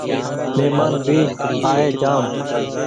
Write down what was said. مهمان بي آئي جآم